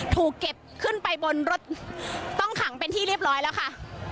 ถูกเก็บขึ้นไปบนรถต้องขังเป็นที่เรียบร้อยแล้วค่ะ